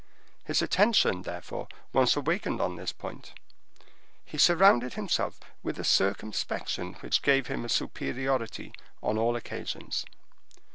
His attention, therefore, once awakened on this point, he surrounded himself with a circumspection which gave him a superiority on all occasions.